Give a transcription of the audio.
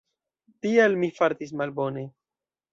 Tial mi fartis malbone.